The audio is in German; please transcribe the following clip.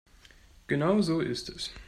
Genau so ist es.